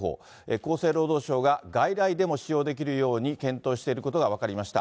厚生労働省が外来でも使用できるように検討していることが分かりました。